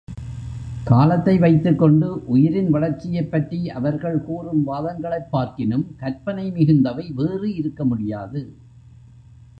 காலத்தை வைத்துக்கொண்டு உயிரின் வளர்ச்சியைப் பற்றி அவர்கள் கூறும் வாதங்களைப் பார்க்கினும் கற்பனை மிகுந்தவை வேறு இருக்க முடியாது.